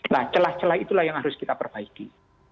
nah celah celah itulah yang harus kita perbaiki